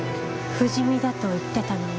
不死身だと言ってたのに。